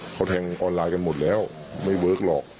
เขาแทงออนไลน์กันหมดแล้วไม่เวิร์คหรอก